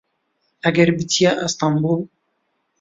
ئەگەر پچیە ئەستەمبول